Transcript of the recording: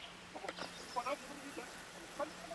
昆明市行政中心位于该站附近。